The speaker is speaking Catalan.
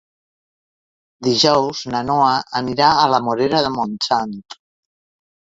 Dijous na Noa anirà a la Morera de Montsant.